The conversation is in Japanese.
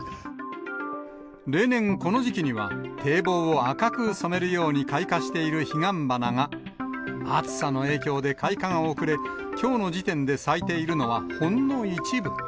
例年、この時期には、堤防を赤く染めるように開花している彼岸花が、暑さの影響で開花が遅れ、きょうの時点で咲いているのは、ほんの一部。